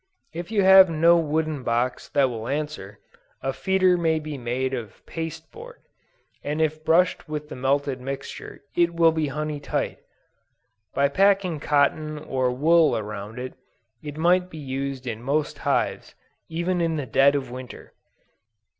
If you have no wooden box that will answer, a feeder may be made of pasteboard, and if brushed with the melted mixture it will be honey tight. By packing cotton or wool around it, it might be used in most hives, even in the dead of Winter.